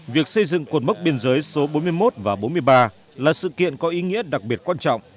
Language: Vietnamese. việc xây dựng cột mốc biên giới số bốn mươi một và bốn mươi ba là sự kiện có ý nghĩa đặc biệt quan trọng